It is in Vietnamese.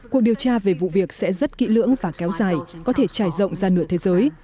cuộc điều tra về vụ việc sẽ rất kỹ lưỡng và kéo dài có thể trải rộng ra nửa thế giới